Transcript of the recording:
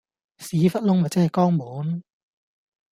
屎忽窿咪即係肛門